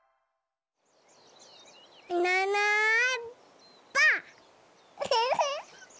いないいないばあっ！